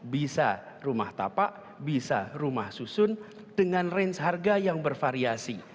bisa rumah tapak bisa rumah susun dengan range harga yang bervariasi